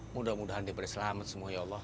mudah mudahan diberi selamat semua ya allah